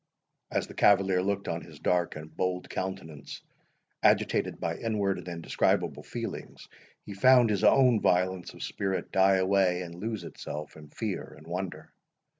As the cavalier looked on his dark and bold countenance, agitated by inward and indescribable feelings, he found his own violence of spirit die away and lose itself in fear and wonder.